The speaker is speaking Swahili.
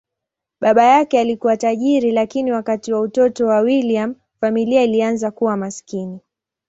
Baba yake alikuwa tajiri, lakini wakati wa utoto wa William, familia ilianza kuwa maskini.